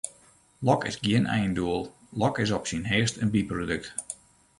Lok is gjin eindoel, lok is op syn heechst in byprodukt.